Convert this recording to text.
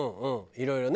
いろいろね。